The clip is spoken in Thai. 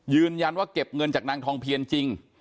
ยืนยันว่าเก็บเงินจากนางทองเพียรจริง